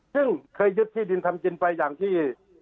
ซึ่งเคยยึดที่ดินทำกินไปอย่างที่